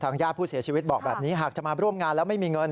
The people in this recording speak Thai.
ญาติผู้เสียชีวิตบอกแบบนี้หากจะมาร่วมงานแล้วไม่มีเงิน